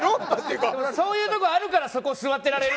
そういうところあるからそこに座ってられる。